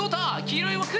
黄色い枠！